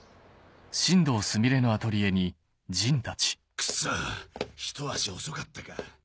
クソっひと足遅かったか。